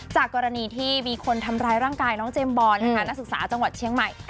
จากกรณีที่มีคนทำร้ายร่างกายน้องเจมส์บอลนะคะนักศึกษาจังหวัดเชียงใหม่